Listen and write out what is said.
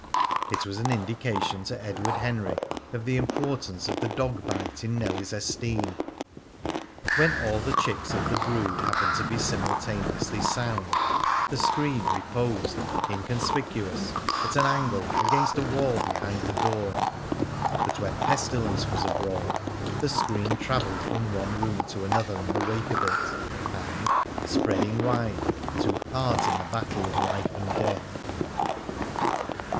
It was an indication to Edward Henry of the importance of the dog bite in Nellie's esteem. When all the chicks of the brood happened to be simultaneously sound, the screen reposed, inconspicuous, at an angle against a wall behind the door; but when pestilence was abroad, the screen travelled from one room to another in the wake of it, and, spreading wide, took part in the battle of life and death.